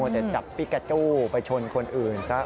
มัวแต่จับพิกาโจไปชนคนอื่นซะ